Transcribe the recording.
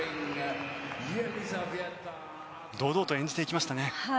堂々と演じていきましたね。